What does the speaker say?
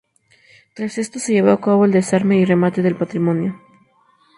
Tras esto, se llevó a cabo el desarme y remate del patrimonio.